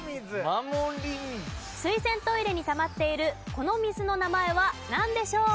水洗トイレにたまっているこの水の名前はなんでしょう？